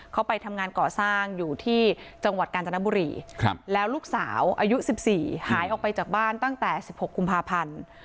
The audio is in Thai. เขาไปทำงานก่อสร้างอยู่ที่จังหวัดกาญจนบุรีแล้วลูกสาวอายุ๑๔หายออกไปจากบ้านตั้งแต่๑๖กุมภาพันธ์